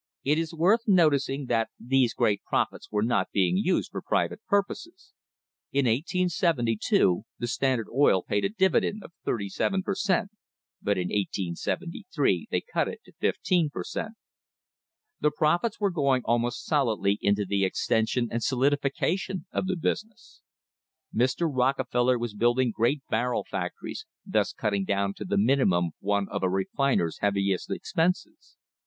It is worth noticing that these great profits were not being used for private purposes. In 1872 the Standard Oil Company paid a dividend of thirty seven per cent, but in 1873 they cut it to fifteen per cent. The profits were going almost solidly into the extension and solidification of the business. Mr. j Rockefeller was building great barrel factories, thus cutting down to the minimum one of a refiner's heaviest expenses.